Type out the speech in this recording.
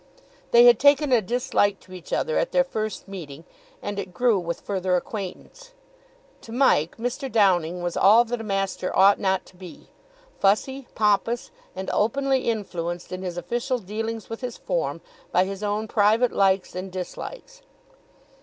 They had taken a dislike to each other at their first meeting; and it grew with further acquaintance. To Mike, Mr. Downing was all that a master ought not to be, fussy, pompous, and openly influenced in his official dealings with his form by his own private likes and dislikes.